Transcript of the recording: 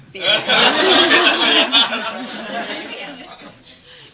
เปลี่ยน